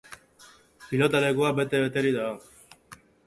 Pilotalekua bete-beterik dago.